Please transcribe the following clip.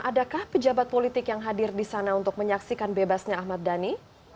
adakah pejabat politik yang hadir di sana untuk menyaksikan bebasnya ahmad dhani